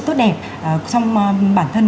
tốt đẹp trong bản thân